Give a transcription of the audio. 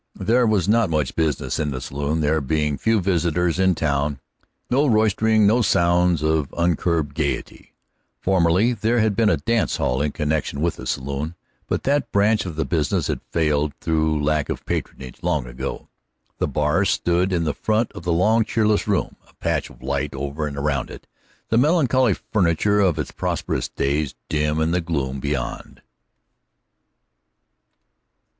There was not much business in the saloon, there being few visitors in town, no roistering, no sounds of uncurbed gaiety. Formerly there had been a dance hall in connection with the saloon, but that branch of the business had failed through lack of patronage long ago. The bar stood in the front of the long, cheerless room, a patch of light over and around it, the melancholy furniture of its prosperous days dim in the gloom beyond.